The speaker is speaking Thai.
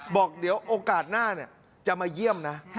บอกเดี๋ยวโอกาสหน้าจะมาเยี่ยมนะ